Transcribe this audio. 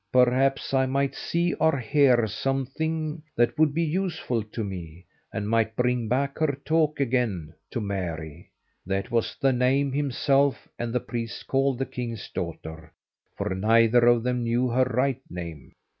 Perhaps I might see or hear something that would be useful to me, and might bring back her talk again to Mary" that was the name himself and the priest called the king's daughter, for neither of them knew her right name.